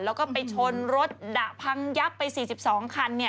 แล้วก็ไปชนรถดะพังยับไป๔๒คัน